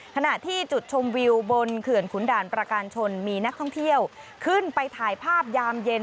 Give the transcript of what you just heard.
ขณะที่จุดชมวิวบนเขื่อนขุนด่านประการชนมีนักท่องเที่ยวขึ้นไปถ่ายภาพยามเย็น